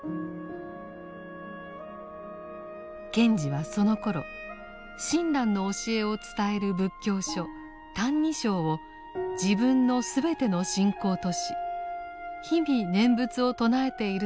賢治はそのころ親鸞の教えを伝える仏教書「歎異抄」を自分の全ての信仰とし日々念仏を称えているとつづっています。